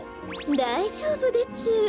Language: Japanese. だいじょうぶでちゅ。